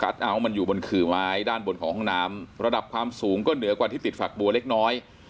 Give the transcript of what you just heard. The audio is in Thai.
เอาท์มันอยู่บนขื่อไม้ด้านบนของห้องน้ำระดับความสูงก็เหนือกว่าที่ติดฝักบัวเล็กน้อย